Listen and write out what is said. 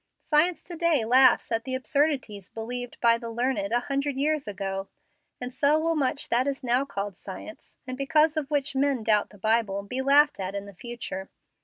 Science to day laughs at the absurdities believed by the learned a hundred years ago; and so will much that is now called science, and because of which men doubt the Bible, be laughed at in the future.